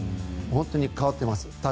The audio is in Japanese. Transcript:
本当に変わっています。